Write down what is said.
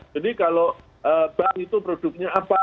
jadi kalau bank itu produknya apa